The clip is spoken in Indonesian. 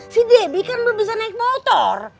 si debbie kan belum bisa naik motor